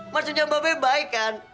maksudnya bapak baik kan